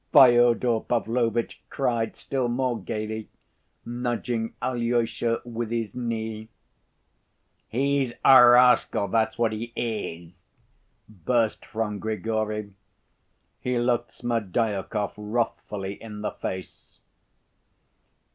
Fyodor Pavlovitch cried still more gayly, nudging Alyosha with his knee. "He's a rascal, that's what he is!" burst from Grigory. He looked Smerdyakov wrathfully in the face.